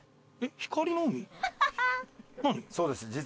そうです。